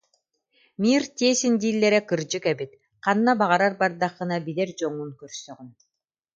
«Мир тесен» дииллэрэ кырдьык эбит, ханна баҕарар бардаххына билэр дьоҥҥун көрсөҕүн